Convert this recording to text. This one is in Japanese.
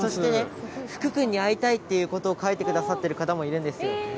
福君に会いたいと書いてくださってる方もいるんです。